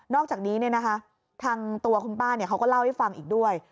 อกจากนี้ทางตัวคุณป้าเขาก็เล่าให้ฟังอีกด้วย